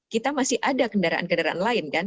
kita masih ada kendaraan kendaraan lain kan